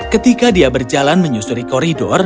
ketika dia berjalan menyusuri koridor